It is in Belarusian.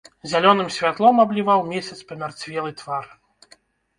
Зялёным святлом абліваў месяц памярцвелы твар.